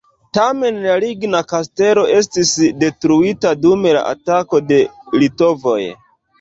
Tamen la ligna kastelo estis detruita dum la atako de litovoj.